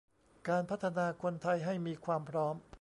การพัฒนาคนไทยให้มีความพร้อม